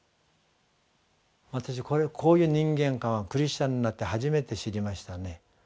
私こういう人間観はクリスチャンになって初めて知りましたね。